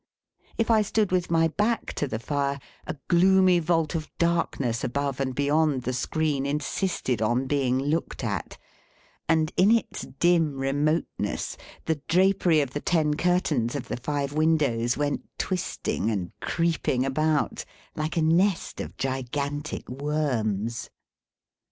If I stood with my back to the fire, a gloomy vault of darkness above and beyond the screen insisted on being looked at; and, in its dim remoteness, the drapery of the ten curtains of the five windows went twisting and creeping about, like a nest of gigantic worms.